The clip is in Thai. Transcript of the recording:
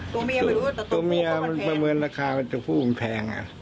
ตัวเมียไม่รู้แต่ตัวผู้ก็มันแพงตัวเมียมันประเมินราคามาจากผู้มันแพง